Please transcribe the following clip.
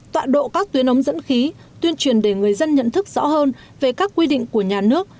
tọa độ các tuyến ống dẫn khí tuyên truyền để người dân nhận thức rõ hơn về các quy định của nhà nước